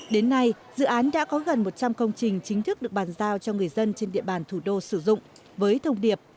đến nay dự án đã có gần một trăm linh công trình chính thức được bàn giao cho người dân trên địa bàn thủ đô sử dụng với thông điệp